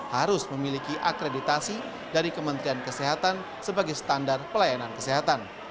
harus memiliki akreditasi dari kementerian kesehatan sebagai standar pelayanan kesehatan